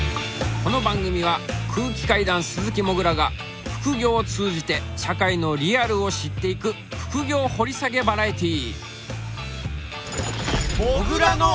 この番組は空気階段鈴木もぐらが副業を通じて社会のリアルを知っていく副業掘り下げバラエティー。